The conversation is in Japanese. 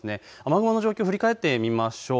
雨雲の状況を振り返ってみます。